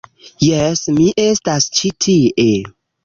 Jes, mi estas ĉi tie